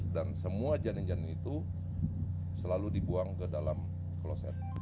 dan semua janin janin itu selalu dibuang ke dalam kloset